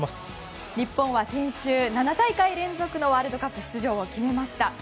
日本は先週７大会連続のワールドカップ出場を決めました。